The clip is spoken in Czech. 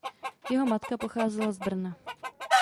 Jeho matka pocházela z Brna.